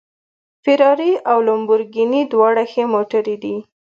فېراري او لمبورګیني دواړه ښې موټرې دي